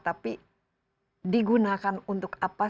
tapi digunakan untuk apa